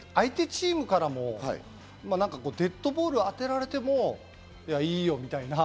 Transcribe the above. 大谷選手、相手チームからもデッドボールを当てられても、いやいいよみたいな。